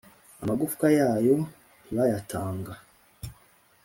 Amagufwa yayo ntibayatanga,